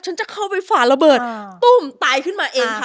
ฉันจะเข้าไปฝ่าระเบิดตุ้มตายขึ้นมาเองค่ะ